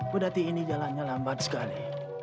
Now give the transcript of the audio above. pedati ini jalannya lambat sekali